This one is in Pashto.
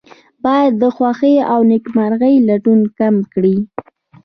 باید د خوښۍ او نیکمرغۍ لټون کم کړي.